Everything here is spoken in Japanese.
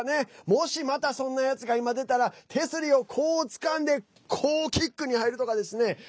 もし、またそんなやつが今出たら手すりを、こうつかんでこうキックに入るとかですね。